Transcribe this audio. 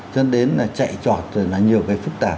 dẫn đến là chạy trọt rồi là nhiều cái phức tạp